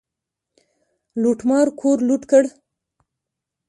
لوټمار کور لوټ کړ.